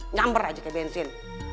nyamper aja kayak bensin